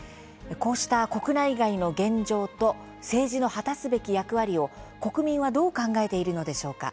こうした国内外の現状と政治の果たすべき役割を国民はどう考えているのでしょうか。